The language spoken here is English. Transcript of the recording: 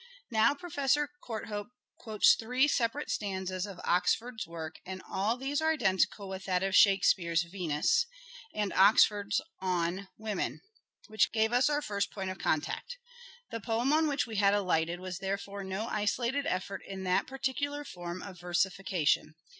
Now Professor Courthope quotes three separate stanzas of Oxford's work and all these are identical with that of Shake speare's " Venus " and Oxford's on " Women," which gave us our first point of contact. The poem on which we had alighted was therefore no isolated effort in that particular form of versification.